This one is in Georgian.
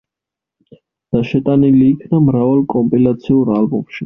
და შეტანილი იქნა მრავალ კომპილაციურ ალბომში.